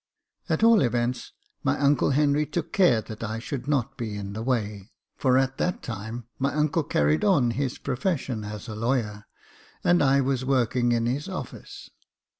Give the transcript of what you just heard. At all events, my uncle Henry took care that I should not be in the way j for at that time my uncle carried on his profession as a lawyer, and I was working in his office.